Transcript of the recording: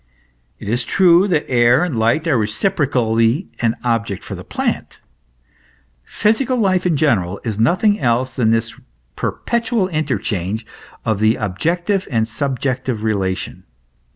It is true that air and light are reciprocally an object for the plant. Physical life, in general, is nothing else than this perpetual interchange of the objective and subjective relation.